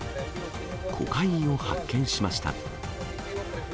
コカインを発見しました。